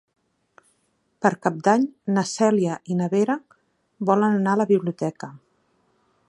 Per Cap d'Any na Cèlia i na Vera volen anar a la biblioteca.